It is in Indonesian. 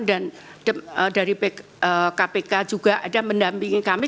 dan dari kpk juga ada mendampingi kami